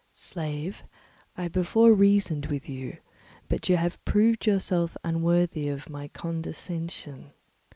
"Slave, I before reasoned with you, but you have proved yourself unworthy of my condescension.